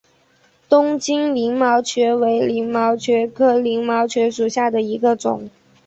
东京鳞毛蕨为鳞毛蕨科鳞毛蕨属下的一个种。